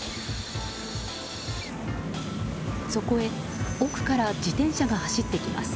そこへ奥から自転車が走ってきます。